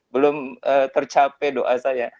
belum tercapai doa saya